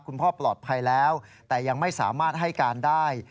คุณพ่อปลอดภัยแล้วแต่ยังไม่สามารถให้การได้